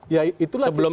ya itu lah